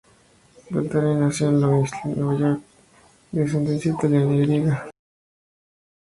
Beltrami nació en Long Island, Nueva York, de ascendencia italiana y griega.